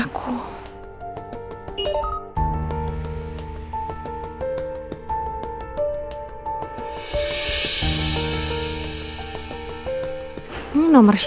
aku harus berhenti dengan mereka